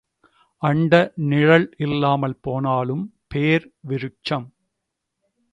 அண்ட நிழல் இல்லாமல் போனாலும் பேர் விருட்சம்.